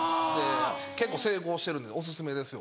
結構成功してるんでオススメですよ。